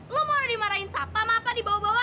lo mau dimarahin sapam apa dibawa bawa